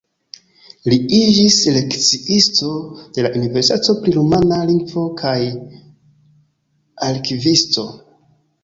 Li iĝis lekciisto de la universitato pri rumana lingvo kaj arkivisto.